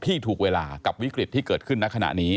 ที่ถูกเวลากับวิกฤตที่เกิดขึ้นในขณะนี้